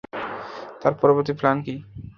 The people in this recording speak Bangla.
তার পরবর্তী প্ল্যান কী?